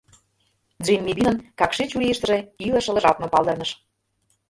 Джимми Бинын какши чурийыштыже илыш ылыжалтме палдырныш: